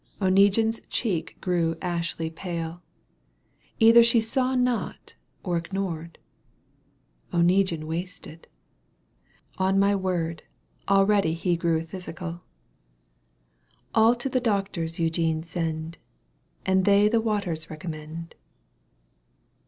Oneguine's cheek grew ashy pale, Either she saw not or ignored ; Oneguine wasted ; on my word, Already he grew phthisical All to the doctors Eugene send, And they the waters recommend.